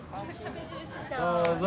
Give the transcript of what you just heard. どうぞ。